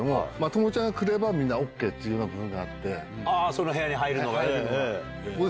その部屋に入るのが。